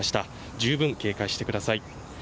十分警戒してください。